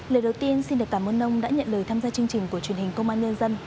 lời đầu tiên xin được cảm ơn ông đã nhận lời tham gia chương trình của truyền hình công an nhân dân